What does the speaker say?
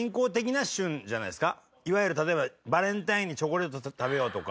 いわゆる例えばバレンタインにチョコレート食べようとか。